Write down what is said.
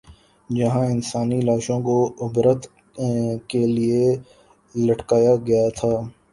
جہاں انسانی لاشوں کو عبرت کے لیے لٹکایا گیا تھا۔